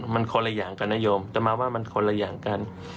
มันคนละอย่างกันนโยมแต่มาว่ามันคนละอย่างกัน